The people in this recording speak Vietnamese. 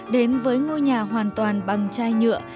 đến với ngôi nhà hoàn toàn bằng chai nhựa